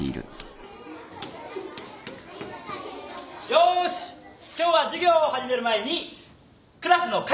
よし今日は授業を始める前にクラスの係を決めよう。